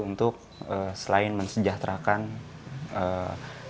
untuk selain mensejahterakan beberapa pelaku usaha